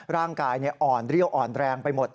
ร่างกายอ่อนเรี่ยวอ่อนแรงไปหมด